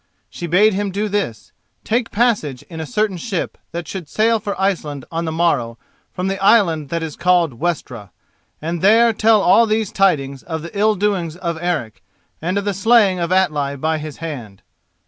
She bade him do this: take passage in a certain ship that should sail for Iceland on the morrow from the island that is called Westra, and there tell all these tidings of the ill doings of Eric and of the slaying of Atli by his hand.